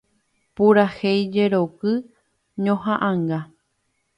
Purahéi jeroky ñohaʼãnga.